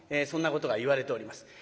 そんなことがいわれております。